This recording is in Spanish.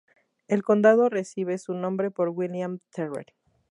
El condado recibe su nombre por William Terrell.